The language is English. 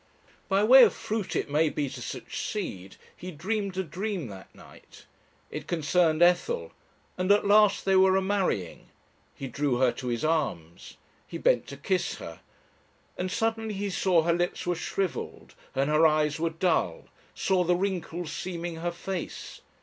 By way of fruit it may be to such seed, he dreamed a dream that night. It concerned Ethel, and at last they were a marrying. He drew her to his arms. He bent to kiss her. And suddenly he saw her lips were shrivelled and her eyes were dull, saw the wrinkles seaming her face!